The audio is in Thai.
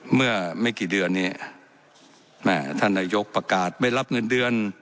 เมื่อไม่กี่เดือนเนี่ยแม่ท่านนายกประกาศไม่รับเงินเดือน